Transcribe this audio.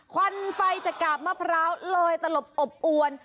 ควันไฟจากกาบมะพร้าวลอยตลบอบอวน